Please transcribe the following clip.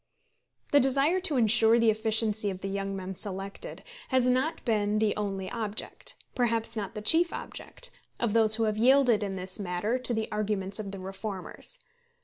The desire to insure the efficiency of the young men selected, has not been the only object perhaps not the chief object of those who have yielded in this matter to the arguments of the reformers.